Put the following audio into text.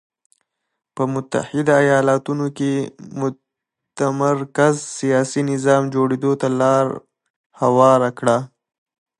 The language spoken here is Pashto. په متحده ایالتونو کې متمرکز سیاسي نظام جوړېدو ته لار هواره کړه.